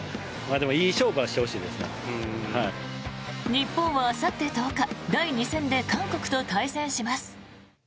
日本はあさって１０日第２戦で韓国と対戦します。